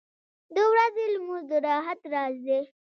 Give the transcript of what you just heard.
• د ورځې لمونځ د راحت راز دی.